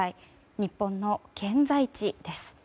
日本の現在地です。